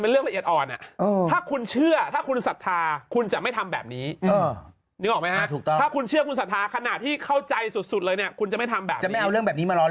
แต่แบบพี่เข้าใจสุดเลยคนำไม่ทำแบบนี้